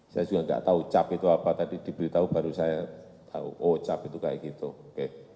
saya juga nggak tahu cap itu apa tadi diberitahu baru saya tahu oh cap itu kayak gitu oke